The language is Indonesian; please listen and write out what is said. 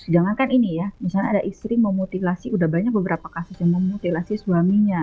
jangankan ini ya misalnya ada istri memutilasi udah banyak beberapa kasus yang memutilasi suaminya